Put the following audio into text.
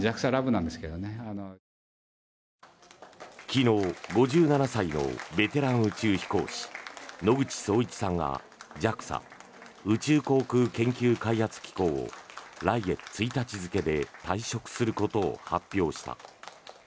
昨日、５７歳のベテラン宇宙飛行士野口聡一さんがＪＡＸＡ・宇宙航空研究開発機構を来月１日付で退職することを発表した。